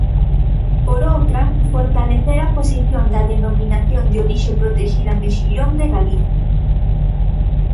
Por outra, fortalecer a posición da Denominación de Orixe Protexida Mexillón de Galicia.